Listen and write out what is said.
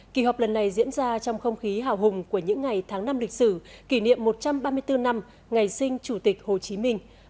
kỳ họp lần này diễn ra trong không khí hào hùng của những ngày tháng năm lịch sử kỷ niệm một trăm ba mươi bốn năm ngày sinh chủ tịch hồ chí minh